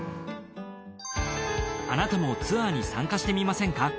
あなたもツアーに参加してみませんか？